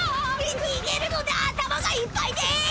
にげるので頭がいっぱいで！